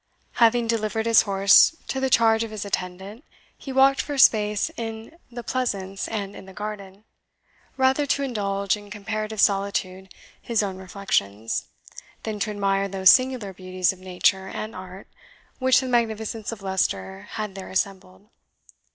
Having delivered his horse to the charge of his attendant, he walked for a space in the Pleasance and in the garden, rather to indulge in comparative solitude his own reflections, than to admire those singular beauties of nature and art which the magnificence of Leicester had there assembled.